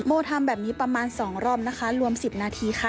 โมทำแบบนี้ประมาณ๒รอบนะคะรวม๑๐นาทีค่ะ